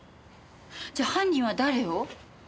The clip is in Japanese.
じゃあ犯人は誰を？